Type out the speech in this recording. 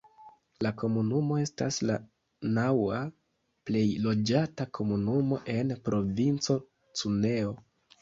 La komunumo estas la naŭa plej loĝata komunumo en provinco Cuneo.